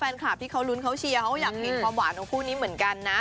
แฟนคลับที่เขาลุ้นเขาเชียร์เขาอยากเห็นความหวานของคู่นี้เหมือนกันนะ